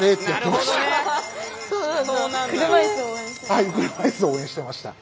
はい車いすを応援してました。